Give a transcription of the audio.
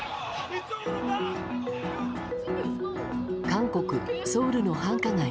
韓国ソウルの繁華街